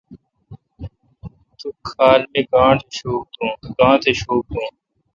تو کھال می گانتھ شوک دین۔